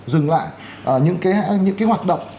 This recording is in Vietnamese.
dừng lại những cái hoạt động